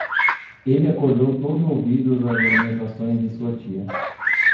Ele acordou todo ouvidos às lamentações de sua tia